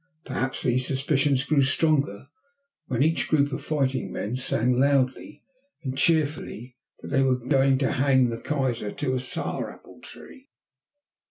Perhaps these suspicions grew stronger when each group of fighting men sang loudly and cheerfully that they were "going to hang the Kaiser to a sour apple tree."